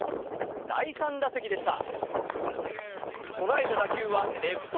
第３打席でした。